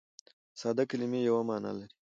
ساده کلیمه یوه مانا لري.